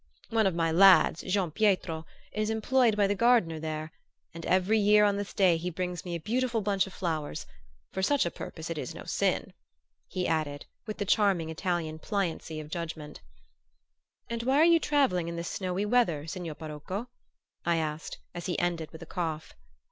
"One of my lads, Gianpietro, is employed by the gardener there, and every year on this day he brings me a beautiful bunch of flowers for such a purpose it is no sin," he added, with the charming Italian pliancy of judgment. "And why are you travelling in this snowy weather, signor parocco?" I asked, as he ended with a cough.